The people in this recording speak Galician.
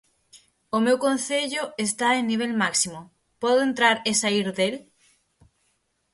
O meu concello está en nivel máximo, podo entrar e saír del?